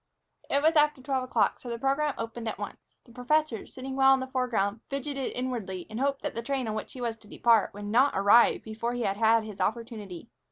It was after twelve o'clock, so the program opened at once. The professor, sitting well in the foreground, fidgeted inwardly and hoped that the train on which he was to depart would not arrive before he had had his opportunity.